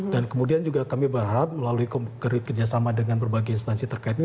dan kemudian juga kami berharap melalui kerjasama dengan berbagai instansi terkait ini